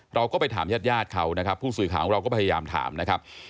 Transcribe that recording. เราก็ไปถามญาติญาติเขานะครับผู้สื่อข่าวของเราก็พยายามถามนะครับ